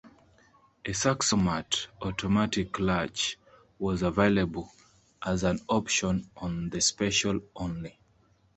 A Saxomat automatic clutch was available as on option on the Special only.